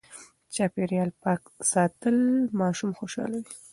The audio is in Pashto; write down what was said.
چاپېريال پاک ساتل ماشوم خوشاله کوي.